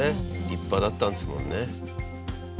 立派だったんですもんね。